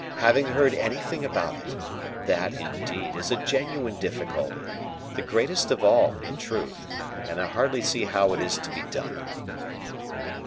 having heard anything about it; that, indeed, is a genuine difficulty, the greatest of all, in truth; and I hardly see how it is to be done."